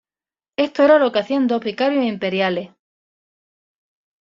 Esto era lo que hacían dos vicarios imperiales.